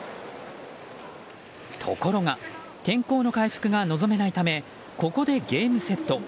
ところが天候の回復が望めないためここでゲームセット。